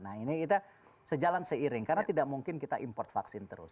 nah ini kita sejalan seiring karena tidak mungkin kita import vaksin terus